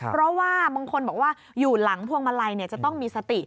เพราะว่าบางคนบอกว่าอยู่หลังพวงมาลัยจะต้องมีสติ